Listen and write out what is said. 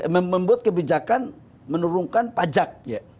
membuat kebijakan menurunkan pajak